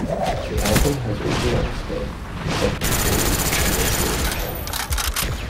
The album has overall spent seventy-four weeks in the Australian charts.